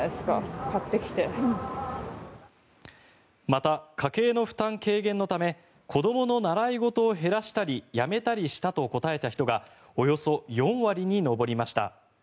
また家計の負担軽減のため子どもの習い事を減らしたりやめたりしたと答えた人がおよそ４割に上りました。